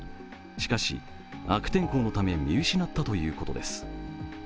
しかし悪天候のため見失ったということです。